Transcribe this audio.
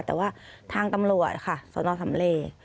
แต่ว่าทางตำรวจค่ะสนสำเล